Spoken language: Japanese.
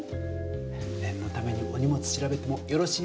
ねんのためにお荷物調べてもよろしいですか？